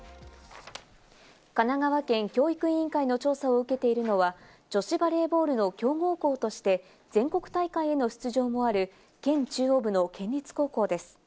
神奈川県教育委員会の調査を受けているのは、女子バレーボールの強豪校として全国大会への出場もある県中央部の県立高校です。